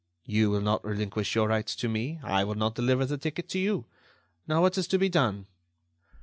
You will not relinquish your rights to me; I will not deliver the ticket to you. Now, what is to be done?